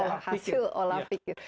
dari hasil olah pikir